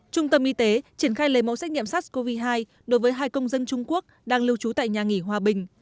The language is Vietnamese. trung tâm y tế triển khai lề mẫu xét nghiệm sars cov hai đối với hai công dân trung quốc đang lưu trú tại nhà nghỉ hòa bình